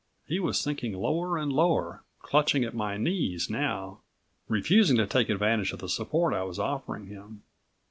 He was sinking lower and lower, clutching at my knees now, refusing to take advantage of the support I was offering him.